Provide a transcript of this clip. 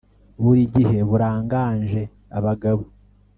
burigihe buraganje abagabo